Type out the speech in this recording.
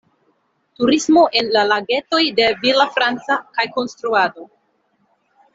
Turismo en la Lagetoj de Villafranca kaj konstruado.